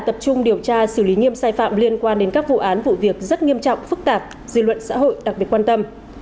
tập trung điều tra xử lý nghiêm sai phạm liên quan đến các vụ án vụ việc rất nghiêm trọng phức tạp dư luận xã hội đặc biệt quan tâm